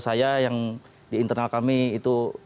saya yang di internal kami itu